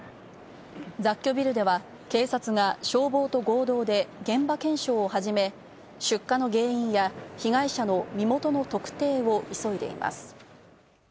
雑居ビルでは警察が消防と合同で現場検証を始め、出火の原因や被害者の身元の特定を急いでいます。